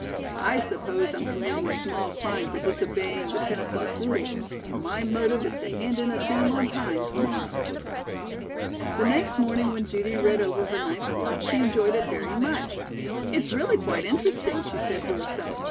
"I suppose I'm committing a small crime for disobeying the ten o'clock rule, and my motive is to hand in a theme on time to morrow." The next morning when Judy read over her night's work, she enjoyed it very much. "It's really quite interesting," she said to herself.